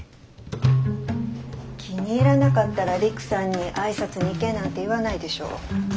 気に入らなかったら陸さんに挨拶に行けなんて言わないでしょ。